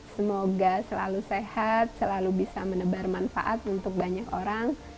semoga selalu sehat selalu bisa menebar manfaat untuk banyak orang